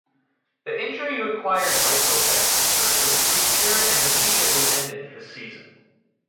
The injury required microfracture surgery to repair and immediately ended his season.